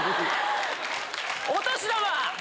お年玉！